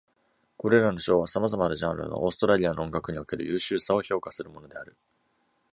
これらの賞は、様々なジャンルのオーストラリアの音楽における優秀さを評価するものである。